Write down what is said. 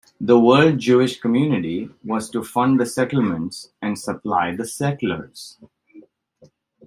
The world Jewish community was to fund the settlements and supply the settlers.